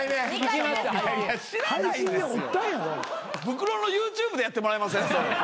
ブクロのＹｏｕＴｕｂｅでやってもらえません？